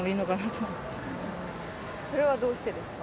それはどうしてですか？